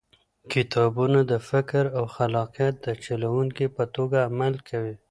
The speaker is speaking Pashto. کتابونه د فکر او خلاقیت د چلوونکي په توګه عمل کوي.